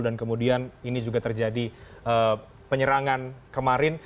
dan kemudian ini juga terjadi penyerangan kemarin